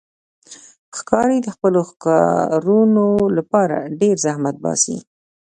ښکاري د خپلو ښکارونو لپاره ډېر زحمت باسي.